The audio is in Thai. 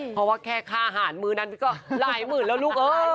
เพราะว่าแค่ค่าอาหารมื้อนั้นก็หลายหมื่นแล้วลูกเอ้ย